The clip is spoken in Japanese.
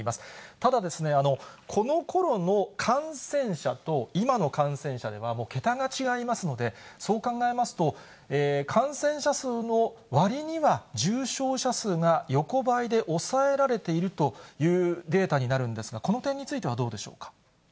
ただ、このころの感染者と今の感染者では、もう桁が違いますので、そう考えますと、感染者数のわりには重症者数が横ばいで抑えられているというデータになるんですが、この点についてはどうでしょうか。